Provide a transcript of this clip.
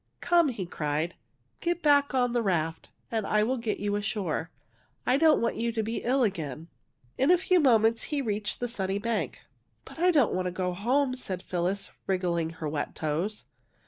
*^ Come/' he cried, " get back on the raft, and I will get you ashore. I don't want you to be ill again." In a few moments he reached the sunny bank. ^' But I don't want to go home," said Phyl lis, wriggling her wet toes.